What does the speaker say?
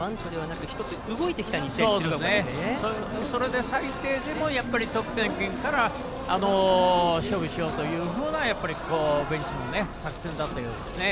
それで最低でも得点圏から勝負しようというようなベンチの作戦だったようですね。